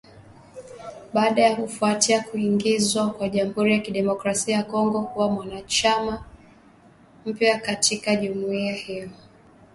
Baada ya kufuatia kuingizwa kwa Jamhuri ya Kidemokrasi ya Kongo kuwa mwanachama mpya katika jumuiya hiyo.